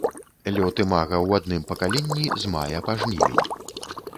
Лёт імага ў адным пакаленні з мая па жнівень.